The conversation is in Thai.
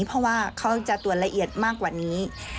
เพราะว่าเขาจะตรวจละเอียดมากกว่านี้